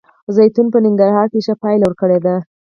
زیتون په ننګرهار کې ښه پایله ورکړې ده